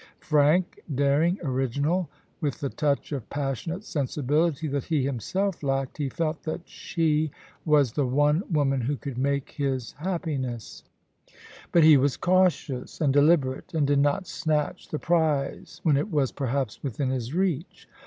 Frank, daring, original, with the touch of passionate sensibility that he himself lacked, he felt that she was the one woman who could make his happiness. 70 POLICY AND PASSION. But he was cautious and deliberate, and did not snatch the prize when it was, perhaps, within his reach.